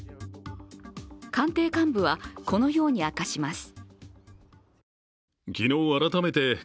官邸幹部は、このように明かします。